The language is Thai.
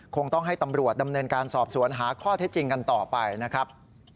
คงต้องให้ตำรวจดำเนินการสอบสวนหาข้อเท็จจริงกันต่อไปนะครับ